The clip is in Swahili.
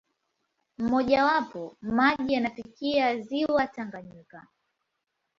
Mmojawapo, maji yanafikia ziwa Tanganyika.